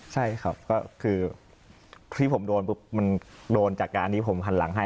ใช่ครับก็คือที่ผมโดนปุ๊บมันโดนจากการที่ผมหันหลังให้